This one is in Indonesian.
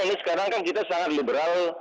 ini sekarang kan kita sangat liberal